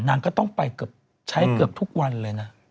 นางก็ต้องไปเกือบใช้เกือบทุกวันเลยนะ